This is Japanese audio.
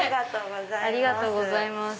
ありがとうございます。